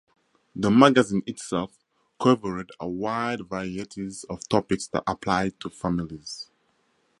The magazine itself covered a wide varieties of topics that applied to families.